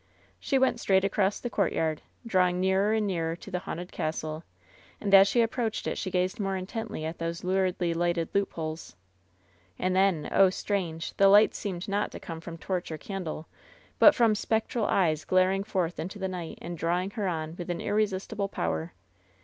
She went straight across the courtyard, drawing nearer and nearer to the haunted castle ; and as she ap proached it she gazed more intently at those luridly lighted loopholes. And then, oh strange 1 the lights seemed not to come from torch or candle, but from spectral eyes glaring forth into the night, and drawing her on with an irresistible power.